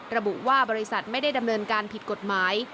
ระบุว่าบริษัทไม่ได้ดำเนินการผิดกฎหมาย